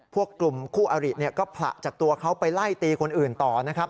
กลุ่มคู่อริก็ผละจากตัวเขาไปไล่ตีคนอื่นต่อนะครับ